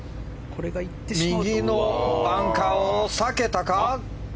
右のバンカーを避けたか。